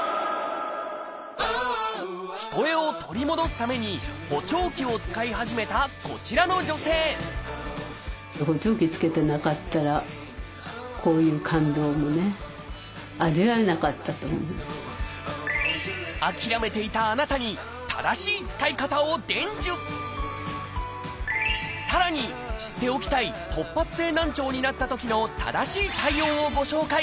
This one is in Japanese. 聞こえを取り戻すために補聴器を使い始めたこちらの女性諦めていたあなたに正しい使い方を伝授さらに知っておきたい突発性難聴になったときの正しい対応をご紹介！